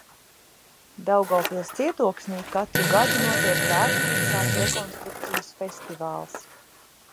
Daugavpils cietoksnī katru gadu notiek vēsturiskās rekonstrukcijas festivāls.